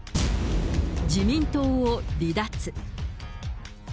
自民党を離脱。